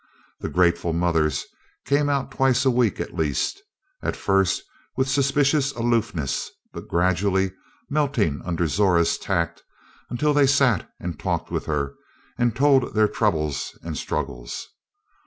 The grateful mothers came out twice a week at least; at first with suspicious aloofness, but gradually melting under Zora's tact until they sat and talked with her and told their troubles and struggles.